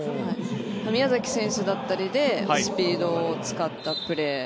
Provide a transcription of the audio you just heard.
宮崎選手だったりでスピードを使ったプレー。